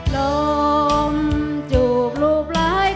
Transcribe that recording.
ลมจูบลูกหลายเท่าโยม